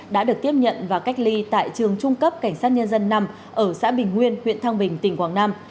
đã được tiếp nhận và cách ly tại trường trung cấp cảnh sát nhân dân năm ở xã bình nguyên huyện thăng bình tỉnh quảng nam